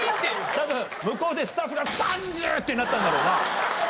多分向こうでスタッフが「３０！？」ってなったんだろうな。